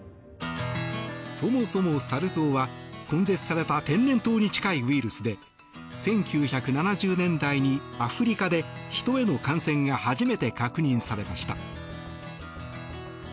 そもそも、サル痘は根絶された天然痘に近いウイルスで１９７０年代にアフリカでヒトへの感染が初めて確認されました。